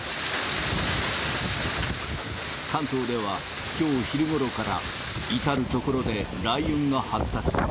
関東ではきょう昼ごろから、至る所で雷雲が発達。